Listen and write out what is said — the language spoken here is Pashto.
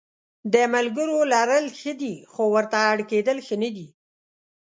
د ملګرو لرل ښه دي خو ورته اړ کېدل ښه نه دي.